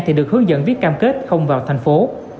thì được hướng dẫn viết cam kết không vào thành phố